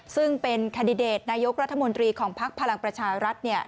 ซึ่งเป็นแคนดิเดตนายกรัฐมนตรีของภักดิ์พลังประชารัฐ